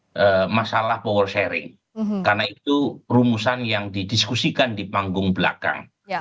jadi saya tidak yakin bahwa itu adalah masalah power sharing karena itu rumusan yang didiskusikan di panggung belakang